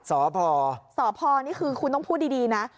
สพสพนี่คือคุณต้องพูดดีนะ